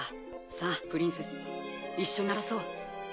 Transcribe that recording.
さぁプリンセス一緒に鳴らそう。